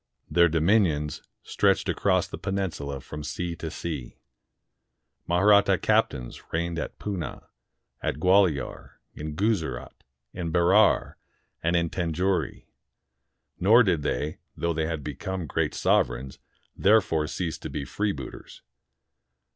Their dominions stretched across the peninsula from sea to sea. Mahratta captains reigned at Poonah, at Gualior, in Guzerat, in Berar, and in Tanjore. Nor did they, though they had become great sovereigns, therefore cease to be freebooters.